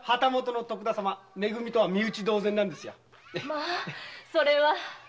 まあそれは。